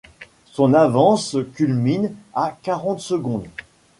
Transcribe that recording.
Son avance culmine à quarante secondes.